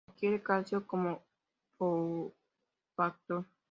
Requiere calcio como cofactor.